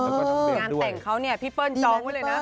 งานแต่งเขาเนี่ยพี่เปิ้ลจองไว้เลยนะ